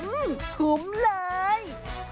อืมคุ้มเลย